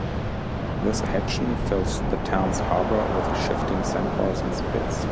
This action fills the town's harbor with shifting sandbars and spits.